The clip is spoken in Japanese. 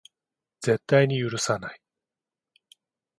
絶対に許さない